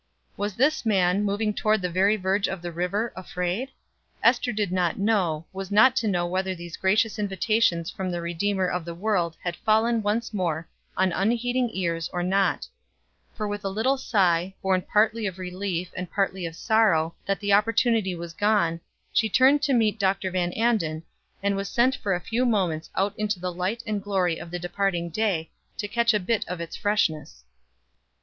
Was this man, moving toward the very verge of the river, afraid? Ester did not know, was not to know whether those gracious invitations from the Redeemer of the world had fallen once more on unheeding ears, or not; for with a little sigh, born partly of relief, and partly of sorrow, that the opportunity was gone, she turned to meet Dr. Van Anden, and was sent for a few moments out into the light and glory of the departing day, to catch a bit of its freshness.